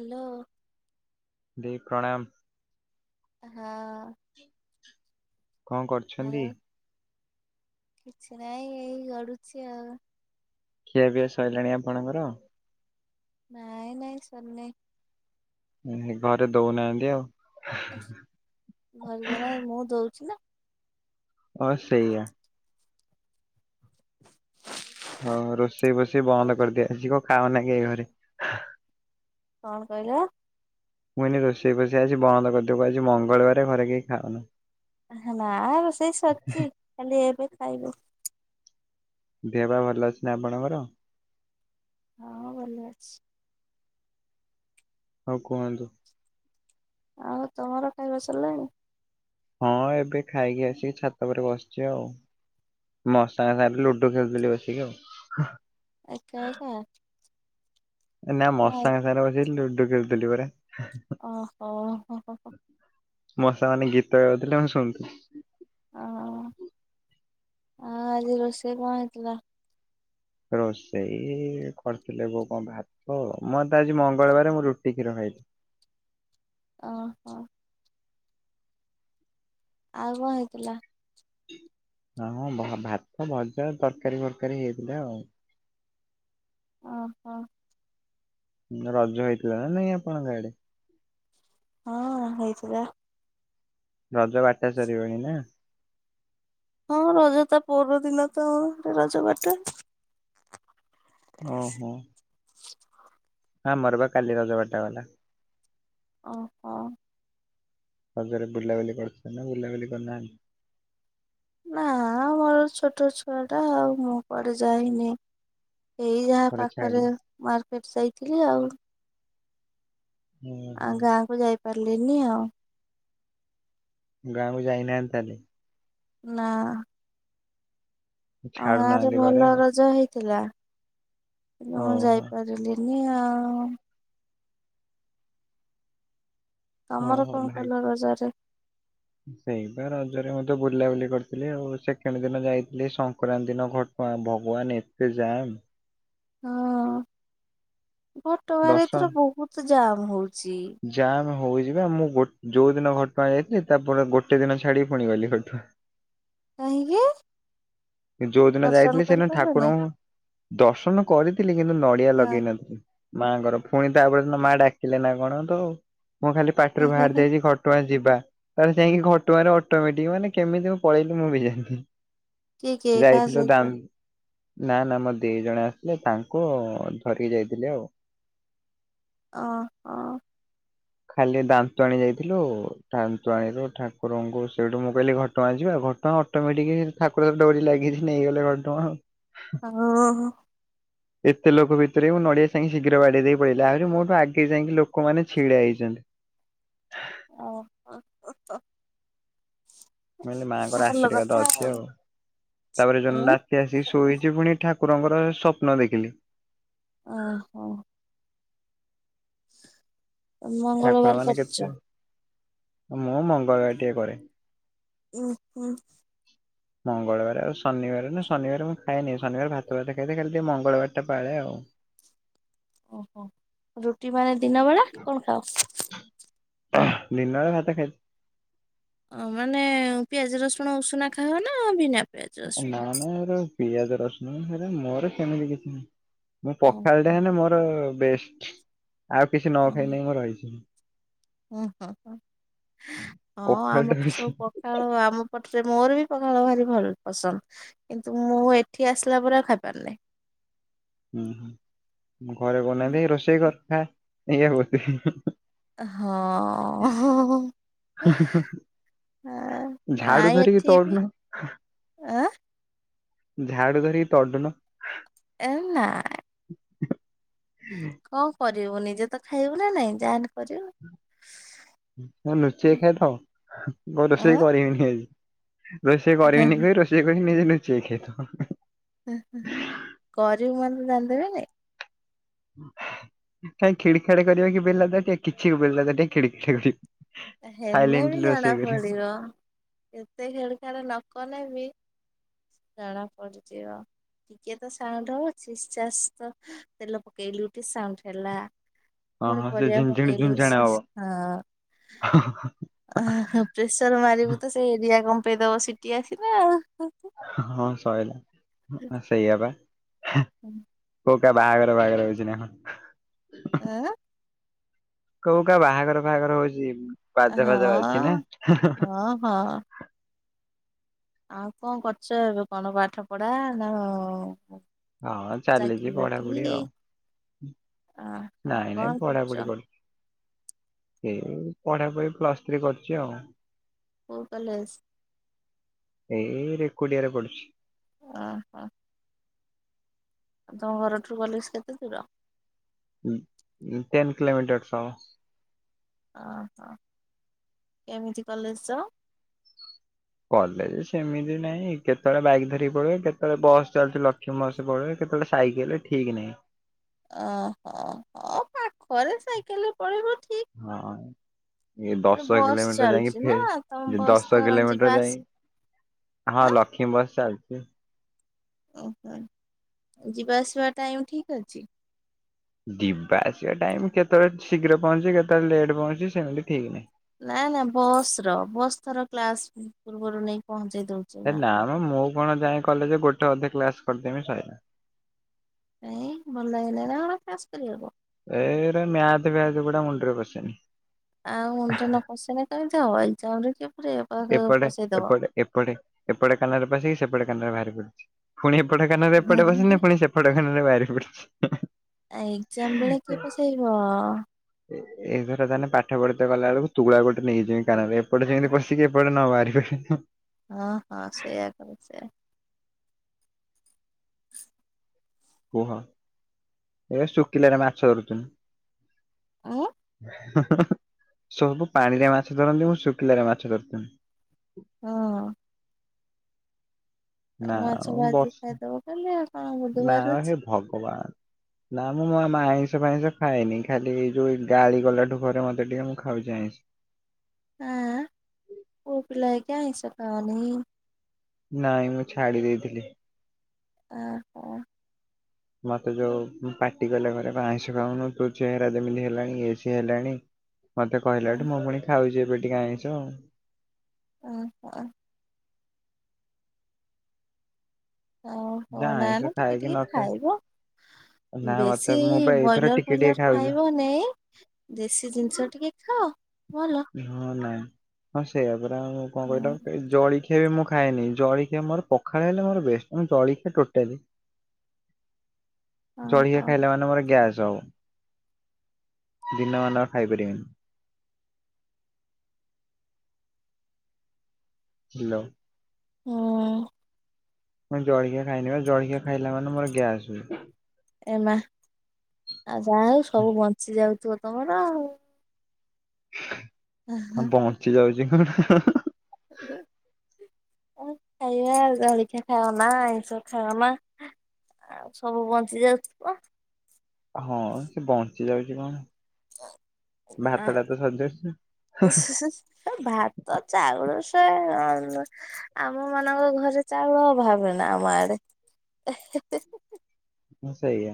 Hello. ଦେଇ ପ୍ରଣାମ। ହଁ। କଣ ଆଉ କରୁଛନ୍ତି? କିଛି ନାଇଁ ଏଇ ଗଡୁଛି ଆଉ। ଖିଆ ପିଆ ସଇଲାଣି ଆପଣଙ୍କର? ନାଇଁ ନାଇଁ ସରିନାହିଁ। ଉଁ ଘରେ ଦଉନାହାନ୍ତି ଆଉ। ଘରେ ଦୋଉନାହାନ୍ତି ମୁଁ ଦଉଚି ନା। ହଁ ସେଇଆ। ହଁ ରୋଷେଇ ଫୋଷେଇ ବନ୍ଦ ଖାଉଛି। କରିଦିଆ ହେଇଚି କଁ ଖାଅନା କେଇ ଘରେ? କଣ କହିଲ? ମୁଁ କହିଲି ରୋଷେଇ ଫୋଷେଇ ଆଜି ବନ୍ଦ କରିଦେବୁ ଆଜି ମଙ୍ଗଳବାର ଘରେ କେହି ଖାଅନା। ନା ରୋଷେଇ ସରିଛି ଖାଲି ଏବେ ଖାଇବୁ। ଦେହ ପା ଭଲ ଅଛି ନା ଆପଣଙ୍କର? ହଁ ଭଲ ଅଛି। ହଉ କୁହନ୍ତୁ। ଆଉ ତମର ଖାଇବା ସରିଲାଣି? ହଁ ଏବେ ଖାଇକି ଆସିକି ଛାତ ପରେ ବସିଛି ଆଉ। ମଶା ହେଲା ବୋଲି ଲୁଡୁ ଖେଳୁଥିଲି ବସିକି ଆଉ। ଏକା ଏକା। ନା ମଶାଙ୍କ ଆଉ କିଏ? ସାଙ୍ଗରେ ବସିକି ଲୁଡୁ ଖେଲୁଥିଲି ପରା। ଓହୋ ହୋ ହୋ ହୋ। ମଶା ମାନେ ଗୀତ ଗାଉଥିଲେ ମୁଁ ଶୁଣୁଥିଲି। ଅ ଆଜି ରୋଷେଇ କଣ ହେଇଥିଲା? ରୋଷେଇ କରିଥିଲେ ବୋଉ କଣ ଭା ହୋ ମୋରତ ଆଜି ମଙ୍ଗଳବାର ମୁଁ ରୁଟି କ୍ଷୀର ଖାଇଲିି। ଅହୋ। ଆଉ କଣ ହେଇଥିଲା। ହଁଁ ଭ ଭାତ ଭଜା ତରକାରୀ ଫରକାରୀ ହେଇଥିଲା ଆଉ। ଅହୋ। ଉଁ ରଜ ହେଇଥିଲା ନା ନାଇଁ ଆପଣଙ୍କ ଆଡେ। ହଁ ହେଇଥିଲା। ରଜ ବାଟା ସରିବଣି ନା। ହଁ ରଜ ତା ପର ଦିନ ତ ରଜ ବାଟୁଅନ୍ତି। ଓହୋ। ଆମରପା କାଲି ରଜ ବାଟା ଗଲା। ଓହୋଃ। ରଜରେ ବୁଲାବୁଲି କରିଛନ୍ତି ନା ବୁଲାବୁଲି କରିନାହାନ୍ତି? ନା ମୋର ଛୋଟ ଛୁଆଟା ଆଉ ମୁଁ କୁଆଡେ ଯାଇନି। ଏଇ ଯାହା ଘରେ ପାଖରେ ଛାଡିଲେ ମାର୍କେଟ ଯାଇଥିଲି ଆଉ ଆଁ ଓହୋ ଗାଁଆକୁ ଯାଇପାରିଲିନି ଆଉ। ଗାଆଁକୁ ଯାଇନାହାନ୍ତି ତାହେଲେ? ନାଁ। ଆମ ଗାଁଆରେ ଛାଡୁନାହାନ୍ତି ଘରେ ଭଲ ଆଉ। ରଜ ହେଇଥିଲା। ମୁଁ ଓହୋ ଯାଇପାରିଲିନି ଆଉ। ତମର କଣ କଲ ରଜରେ? ସେଇ ବା ରଜରେ ମୁଁ ତ ବୁଲାବୁଲି କରିଥିଲି ଆଉ ସେକେଣ୍ଡ୍ ଦିନ ଯାଇଥିଲି ସଂକ୍ରାନ୍ତି ଦିନ ଘଟ୍ ଗାଁ, ଭଗବାନ ଏତେ ଜାମ୍। ହଁଅ, ଘଟଗାଁରେ ଦର୍ଶନ ଏଥର ବହୁତ ଜାମ୍ ହଉଚି। ଜାମ୍ ହଉଛି ବା ମୁଁ ଗୋ ଯୋଉ ଦିନ ଘଟଗାଁ ଯାଇଥିଲି ତାପର ଗୋଟେ ଦିନ ଛାଡିକି ପୁଣି ଗଲି ଘଟଗାଁ। କାହିଁକି? ଯୋଉ ଦିନ ଦର୍ଶନ ଯାଇଥିଲି ସେଦିନ କରିପାରିଲନି? ଠାକୁରଙ୍କୁ ଦର୍ଶନ କରିଥିଲି କିନ୍ତୁ ନଡିଆ ହଁ ଲଗେଇ ନଥିଲି। ମାଆଙ୍କର, ଫୁଣି ତାପରଦିନ ମାଆ ଡାକିଲେ ନା କଣ ତ, ମୁଁ ଖାଲି ହେଁ ପାଟିରୁ ହେଁ ବାହାରି ହେଁ ଯାଇଛି ଘଟ୍ ଘଟଗାଁ ଯିବା, ତାପରେ ଯାଇକି ଘଟଗାଁରେ ଅଟୋମେଟିକ୍ ମାନେ କେମିତି ମୁଁ ପଳେଇଲି ମୁଁ ବି ଜାଣିନି। କିଏ କିଏ କାହା ଯାଇଥିଲୁ ସହିତ? ଦାମ୍। ନା ନା ମୋ ଦେଈ ଜଣେ ଆସିଲେ ତାଙ୍କୁ ଧରିକି ଯାଇଥିଲି ଆଉ। ଓହୋଃ। ଖାଲି ଦାନ୍ତୁଆଣୀ ଯାଇଥିଲୁ, ଦାନ୍ତୁଆଣୀରୁ ଠାକୁରଙ୍କୁ ସେଇଠୁ ମୁଁ କହିଲି ଘଟଗାଁ ଯିବା ଘଟଗାଁ ଅଟୋମେଟିକ୍ ଠାକୁରଙ୍କର ଡୋରି ଲାଗିଛି ନେଇଗଲେ ଘଟଗାଁ ଆଉ। ଓହୋଃ। ଏତେ ଲୋକ ଭିତରେ ମୁଁ ନଡିଆ ସାଇଁ ଶୀଘ୍ର ବାଡେଇ ଦେଇ ପଳେଇ ଆଇଲି ଆହୁରି ମୋଠୁ ଆଗେ ଯାଇକି ଲୋକମାନେେ ଛିଡା ହେଇଛନ୍ତି। ହେଁ। ଓହୋଃ ହୋ ହୋ। ମୁଁ କହିଲେ ମାଆଙ୍କର ଆଶୀର୍ବାଦ ଅଛି ଆଉ ତାପରେ ଯୋଉନ୍ ଉଁ ରାତି ଆସି ଶୋଇଛି ପୁଣି ଠାକ୍ ଠାକୁରଙ୍କର ସ୍ୱପ୍ନ ଦେଖିଲି। ଓହୋ। ତମେ ଠାକୁର ମଙ୍ଗଳବାର ମାନେ କେତେ କରୁଚ? ମୁଁ ମଙ୍ଗଳବାର ଟିକେ କରେ। ଉଁ ହୁଁ। ମଙ୍ଗଳବାର ଆଉ ଶନିବାର ନା ଶନିବାର ମୁଁ ଖାଏନି ଶନିବାର ଭାତ ଭାତ ଖାଇଦିଏ ଖାଲି ଟିକେ ମଙ୍ଗଳବାରଟା ପାଳେ ଆଉ। ଓହୋଃ, ରୁଟି କଣ ଏଇ ଦିନବେଳା କଣ ଖାସ୍? ଦିନରେ ଭାତ ଖାଇଛି। ଅଁ ମାନେ ପିଆଜ ରସୁଣ ଉଷୁନା ଖାଅ ନା ବିନା? ପିଆଜ ରସୁଣ? ନା ନା ଏରା ପିଆଜ ରସୁଣ ସେରା ମୋର ସେମିତି କିଛି ନାହିଁ। ମୁଁ ପଖାଳଟା ଓହୋ। ହେଲେ ମୋର ବେଷ୍ଟ ଆଉ କିଛି ନ ଖାଇଲେ ମୁଁ ରହିଯିବି। ହୁଁ-ହୁଁ-ହୁଁ, ହଁ ପଖାଳଟା ଆମର ତ ବେଶୀ ସବୁ ପ ପଖାଳ ଆମ ପଟରେ, ମୋର ବି ପଖାଳ ଭାରି ଭଲ୍ ପସନ୍ଦ। କିନ୍ତୁ ମୁଁ ଏଠି ଆସିଲା ପରେ ଆଉ ଖାଇପାରୁନେଇ। ଉଁ ହୁଁ ଘରେ ବନାନ୍ତି ରୋଷେଇ କଥା ଇଏ [unintelligible] ହଁ ହ ହ। [unintelligible] ଝାଡୁ ନାଇଁ ଧରିକି ଏଠି ବି ତଡୁନ। ଆଁ ଝାଡୁ ଧରିକି ତଡୁନ। ଏ ନା। [unintelligible] କଁ କରିବୁ ନିଜେ ତ ଖାଇବୁ ନା ନାଇଁ ଯାହା ହେନେ କରିବୁ। ଲୁଚେଇ ଖାଇଦବ ବୋଉ ରୋଷେଇ ଅଁ କରିବିନି ଆଜି। ରୋଷେଇ କରିବିିନି କହି ରୋଷେଇ କରିବି ନିଜେ ଲୁଚେଇକି ଖାଇ ଦବ। ହଁ ହ ହ କରିବୁ ମାନେ ତ ଜାଣି ଦେବେନି। କାଇଁ ଖିଡ ଖାଡ କରିବ କି ବେଲା ତାଟିଆ କିଛି ବେଲା ତାଟିଆ ଖିଡି ଖିଡୀ ହେନେ ବି ଜଣା ପଡିବ କେତେ ଖିଡ ଖାଡ ନକନେ ବି ଜଣା ପଡିଯିବ। ଟିକେ ତ ସାଉଣ୍ଡ ହବ ଚି ଚାସ୍ ତ ତେଲ ପକେଇଲୁ ଟିକେ ସାଉଣ୍ଡ ହେଲା। ହଁ ପୁଣି ହଁ ସେ ପରିବା ଝିଣଝିଣି ପକେଇଲୁ ଝୁଣଝାଣ ହବ ଶିସ ହ। [unintelligible] ଆ ହା ପ୍ରେସର ମାରିବୁ ତ ସେ ଏରିଆ କଂପେଇ ଦବ ସିଟି ଆସିନେ ଆଉ। ହଁ ସଇଲା, ସେଇଆବା। ଉଁ। କଉ କା ବାହାଘର ପାହାଘର ହଉଛି ନାଁ କଁ। ଏ। କଉ କା ବାହାଘର ଫାହାଘର ହଉଛି ବାଜା ହଁ ଫାଜା ବାଜୁଛି ନା। ହଁ ହଁ। ଆଉ କଁ କରୁଛ ଏବେ କଣ ପାଠ ପଢା ନା ହଁ ଚାକିରି ଚାଲିଛି ପଢାପଢି ବାକିରି? ଆଉ। ଓହୋ ନାଇଁ ନାଇଁ କଣ କରୁଛ ପଢ଼ାପଢ଼ି କରୁଚି। ଏଇ ପଢା ପଢି ପ୍ଲସ ଥ୍ରୀ କରଚି ଆଉ। କୋଉ କଲେଜ? ଏଇ ରେକୁଟିଆରେ ପଡୁଛି। ଆଁ ହାଁ। ଆଉ ତମ ଘରଠୁ କଲେଜ କେତେ ଦୂର? ଟେନ କିିଲୋମିଟର୍ସ ହବ। ଅ ହ କେମିତି କଲେଜ ଯାଅ? କଲେଜ ସେମିତି ନାହିଁ କେତେବେଳେ ବାଇକ ଧରିକି ପଳୁଏ କେତେବେଳେ ବସ୍ ଚାଲୁଚି ଲକ୍ଷ୍ମୀ ବସ। ପଳୁଏ କେତଳେ ସାଇକେଲ ଠିକ୍ ନାହିଁ। ଓହୋ ହ ପାଖରେ ସାଇକେଲରେ ପଳେଇବ ଠିକ। ହଁ। ଏ ଦଶ ବସ୍ କିଲୋମିଟର ଯାଇକି ଚାଲୁଛି ନା ତମ ଫେ ବସ୍ ଦଶ ଯିବା କିଲୋମିଟର ଯାଇ ଆସିବା ହଁ ଆଁ ଲକ୍ଷ୍ମୀ ବସ୍ ଚାଲ [unintelligible] ଯିବା ଆସିବା ଟାଇମ ଠିକ ଅଛି। ଯିବା ଆସିବା ଟାଇମ କେତେବେଳେ ଶୀଘ୍ର ପହଞ୍ଚେ କେତେବେଳେ ଲେଟ୍ ପହଞ୍ଚେ ସେମିତି ଠିକ ନାହିଁ। ନା ନା ବସ ର ବସ୍ ଥର କ୍ଲାସ ପୂର୍ବରୁ ନେଇ ପହଞ୍ଚେଇ ଦଉ ଏ ନା ମ ମୁଁ କଣ ଯାଏ କଲେଜ ଗୋଟେ ଅଧେ କ୍ଲାସ କରିଦେମି ସଇଲା। କାଇଁ ଭଲ ଲାଗେ ନେଇ ନା କଣ କ୍ଲାସ୍ କରିବାକୁ? ଏରା ମ୍ୟାଥ୍ ଫ୍ୟାଥ ଗୁଡା ମୁଣ୍ଡରେ ପଶେନି। ଆଉ ମୁଣ୍ଡରେ ନ ପସେଇଲେ କେମିତି ହବ ଏକ୍ଜାମ୍ ରେ କିଏ ପୁରେଇବ ପଶ ଏପଟେ ପସେଇଦବ। ଏପଟେ ଏପଟେ ଏପଟେ କାନରେ ପଶିକି ସେପଟେ କାନରେ ବାହାରି ପଡିଛି, ପୁଣି ଏପଟେ କାନରେ ଏପଟେ ପଶିନେ ପୁଣି ସେ ପଟେ କାନରେ ବାହାରି ପଡୁଛି। ଆ ଏକ୍ଜାମ୍ ବେଳେ କିଏ ପସେଇବ? ଏ ଏଇ ଏଇଥର ତାହେନେ ପାଠ ପଢିତେ ଗଲା ବେଳକୁ ତୁଳା ଗୋଟେ ନେଇକିଯିମି କାନରେ ଏପଟ ସେମିତି ପସ କି ଏପଟେ ନ ବାହାରିପରିବ। ଅ, ହଁ ସେଇଆା କର ସେଇଆା [inaudible] କୁହ ଏ ଶୁଖିଲାରେ ମାଛ ଧରୁଥୁନି। ଉଁ। [inaudible] ସବୁ ପାଣିରେ ମାଛ ଧରନ୍ତି ମୁଁ ଶୁଖିଲାରେ ମାଛ ଧରୁଥୁନି। ହଁ। ନା ମାଛ ଭାଜି ବର୍ଷ ଖାଇଦବ କାଲି ଆଉ କଣ ନା ବୁଧବାର ଅଛି। ହେ ଭଗବାନ ନା ମୁଁ ମ ମା ଆଇଁଷ ଫାଇଁଷ ଖାଏନି, ଖାଲି ଏଇ ଯୋଉ ଏ ଗାଳି ଗଲାଠୁ ଘରେ ମୋତେ ଟିକେ ମୁଁ ଖାଉଚି ଆଇଁଷ। ଆଁ, ପୁଅ ପିଲା ହେଇକି ଆଇଁଷ ଖାଅନି। ନାଇଁ ମୁଁ ଛାଡି ଦେଇଥିଲି। ଆ, କ ମୋତେ ଯୋଉ ଉଁ, ପାଟି କଲେ ଘରେ ବା ଆଇଁଷ ଖାଉନୁ ତୋ ଚେହେରା ଯେମିତି ହେଲାଣି ଇଏ ସିଏ ହେଲାଣି। ମୋତେ ଓ କହିଲାଠୁ ମୁଁ ପୁଣି ଖାଉଚି ଏବେ ଟିକେ ଆଇଁଷ। ଓହୋ, ଓ ହୋ, ନା, ଆଇଁଷ ନା ଖାଏ ଟିକେ କି ଟିକେ ନ ଖାଏ ଖାଇବ। ନା ମତେ ବେଶୀ ମୁଁ ଏଇ ପା ଏଇଥର ବଏଲର୍ ଟିକେ ଟିକେ ଫଏଲର ଖାଉଛି ଖାଇବ ନାଇଁ। ଦେଶୀ ଜିନିଷ ଟିକେ ଖାଅ ଭଲ। ହଁ ନାଇଁ ହଁ ସେଇୟା ପରା ଆଉ କଣ କହିଲ ହୁଁ ସେଇ ଜଳଖିଆ ବି ମୁଁ ଖାଏନି, ଜଳଖିଆ ମୋର ପଖାଳ ହେଲେ ମୋର ବେଷ୍ଟ, ମୁଁ ଜଳଖିଆ ଟୋଟାଲି ହଁ ଜଳିଖିଆ ହଁ। ଖାଇଲା ମାନେ ମୋର ଗ୍ୟାସ୍ ହବ। ଦିନମାନ ଆଉ ଖାଇପାରିମିନି। ହେଲୋ। ହୁଁ ମୁଁ ଜଳଖିଆ ଖାଇନି ବା ଜଳଖିଆ ଖାଇଲା ମାନେ ମୋର ଗ୍ୟାସ ହୁଏ। ଏ ମା ଆଉ ଯାହା ହଉ ସବୁ ବଞ୍ଚି ଯାଉଥିବ ତୋମର ଆଉ। ହଁ ବଞ୍ଚି ଯାଉଚି ହଁ, ହଁ, ହଁ, ହଁ। ଅ ହେ କଣ ଖାଇବ ଆଉ ଜଳିଖିଆ ଖାଅନା, ଆଇଁଷ ଖାଅନା। ଆଉ ସବୁ ବଞ୍ଚି ଯାଉଥିବ। ହଁ ସେ ବଞ୍ଚି ଯାଉଛି କଣ? ଭାତଟା ତ ସରିଯାଉଛି। ସେ ଭାତ ଚାଉଳ ସେ ଅଲ ଆମମାନଙ୍କ ଘରେ ଚାଉଳ ଅଭାବ ନା ଆମ ଆଡେ। ହଁ ସେଇଆ।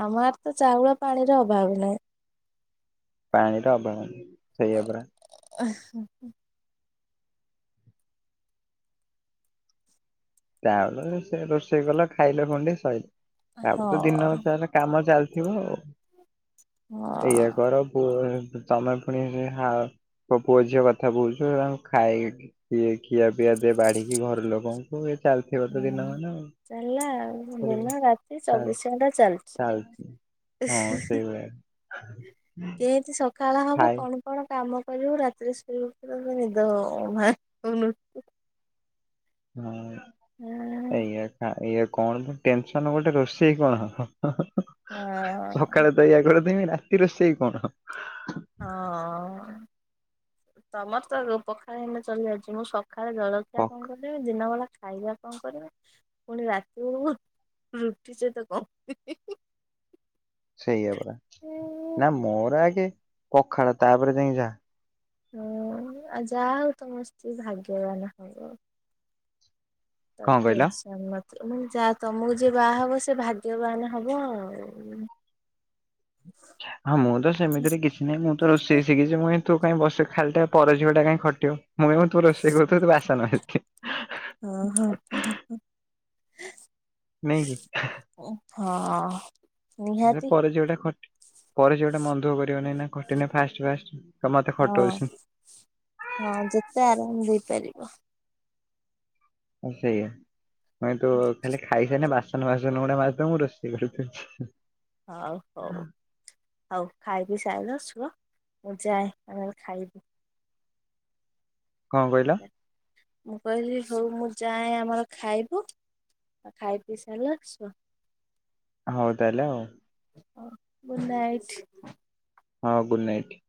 ଆମର ତ ଚାଉଳ ପାଣିର ଅଭାବ ନାହିଁ। ପାଣିର ଅଭାବ ନାହିଁ। ସେଇଆ ପରା ଅ, ହଁ, ହଁ। ଚାଉଳ ସେ ରୋଷେଇ କଲ ଖାଇଲ ଗଣ୍ଡେ ସଇଲା, ତାପରେ ତ ହଁ ଦିନସାରା କାମ ଚାଲିଥିବ ଆଉ, ଏଇଆ ହଁ କର ପୁଅ [unintelligible] ତମେ ପୁଣି ବି ହାଓ ମୋ ପୁଅ ଝିଅ କଥା କହୁଛ ଖାଇକି ଖିଆ ପିଆ ଦିଏ ବାଢିକି ଘର ଲୋକଙ୍କୁ ହଉ ଏ ଚାଲିଥିବ ତ ଦିନମାନ ଚାଲିଲା ଆଉ ଦିନ ରାତି ଚବିଶ ଘଣ୍ଟା ଚାଲିଚି। ହୁଁ। କେନ୍ତି ସକାଳ ହବ କଣ କଣ କାମ କରିବୁ ରାତିରେ ଶୋଇବୁ ପୁରା ପୁରୀ ନିଦ ହବ। [inaudible] ହଁ ଅ ହୁଁ। ଏଇଆ କାଁ ଏଇଆ କଣ ଟେନସନ ଗୋଟେ ରୋଷେଇ କଣ ହ ହଁ ହଁ ହ ସକାଳେ ତ ଏୟା କରିଥିବି ରାତି ରୋଷେଇ କଣ? ହଁ ତମର ତ ରୋ ପଖାଳ ହେଲେ ଚଳିଯାଉଚି ମୁଁ ସ ସଖାଳେ କ ଜଳଖିଆ କଣ କରିଦେବି ଦିନ ବେଳା ଖାଇବା କଣ କରିବି ପୁଣି ରାତିବେଳକୁ ରୁଟି ସହିତ କଣ କରିବି ହିଁ ହିଁ ହିଁ। ସେୟା ପରା ନା ମୋର ଆଗେ ପଖାଳ ତାପରେ ଯାଇଁକି ଯାହା। ହଁ ଯାହା ହୋଉ ତମ ସ୍ତ୍ରୀ ଭାଗ୍ୟବାନ ହବ। ତାର କଣ କହିଲ? ଟେନସନ ନ ମ ଯା ତମକୁ ଜିଏ ବାହାହବ ସିଏ ଭାଗ୍ୟବାନ ହବ ଆଉ। ହଁ ମୁଁ ତ ସେମିତିରେ କିଛି ନାହିଁ ମୁଁ ତ ରୋଷେଇ ଶିଖିଛି ମୁଇ ତୁ କାଇଁ ବସ ଖାଲି ଟା ପର ଝିଅ ଟା କାଇହିଁ ଖଟିବ। ମୁଁ କହିବି ମୁଁ ତୁ ରୋଷେଇ କରୁଥିବୁ ତୁ ବାସନ ମାଜି ଥିବୁ ହଁ ହଁ ହ ହ ହ ନାଇଁକି? ହଁ। ନିହାତି ପର ଝିଅ ଟା ଖଟି ପରଝିଅଟା ମନ ଦୁଃଖ କରିବନିନାଁ ଖଟିଲେ ଫାଷ୍ଟ ଫାଷ୍ଟ ତ ମତେ ହଁ ଖଟଉଛି। ହଁ ଯେତେ ଆରାମ ଦେଇପାରିବ। ସେୟା [inaudible] ଖାଇସାଇଲେ ବାସନ ବାସନ ଗୁଡା ମାଜିଦବ ମୁଁ ରୋଷେଇ କରିିଦେବି। ହଉ ହଉ। ହଉ ଖାଇପିଇ ସାଇଲ ସୁଅ ମୁଁ ଯାଏ ଆମର ଖାଇବୁ। କଣ କହିଲ? ମୁଁ କହିଲି ହଉ ମୁଁ ଯାଏ ଆମର ଖାଇବୁ। ଖାଇ ପିଇ ସାରିଲ ଶୁଅ। ହଉ ତାହେଲେ ଆଉ। Good night. ହଁ ଗୁଡ଼୍ ନାଇଟ୍।